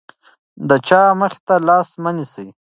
د چا مخې ته لاس مه نیسه.